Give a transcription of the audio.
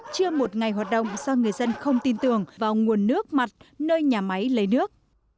chưa một ngày hoạt động do người dân không tin tưởng vào nguồn nước mặt nơi nhà máy lấy nước